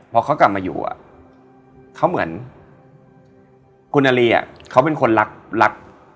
พอเขากลับมาอยู่เขาเหมือนคุณนาลีเขาเป็นคนรักรัก